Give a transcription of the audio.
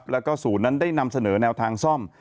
แล้วก็ศูนย์นั้นได้นำเสนอแนวทางซ่อม